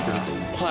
はい。